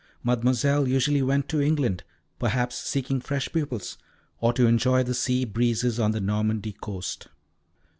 Mademoiselle usually went to England, perhaps seeking fresh pupils, or to enjoy the sea breezes on the Normandy coast.